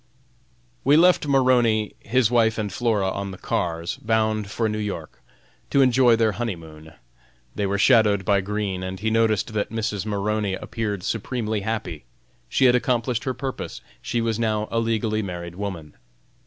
We left Maroney, his wife and Flora on the cars, bound for New York, to enjoy their honey moon. They were shadowed by Green, and he noticed that Mrs. Maroney appeared supremely happy. She had accomplished her purpose; she was now a legally married woman.